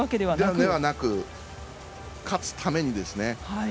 ではなく勝つためにですね。